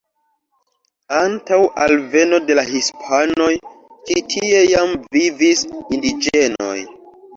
Antaŭ alveno de la hispanoj ĉi tie jam vivis indiĝenoj.